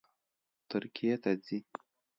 ترکیې ته ځي